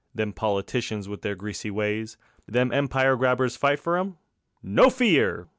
Them politicians with their greasy ways; Them empire grabbers fight for 'em? No fear!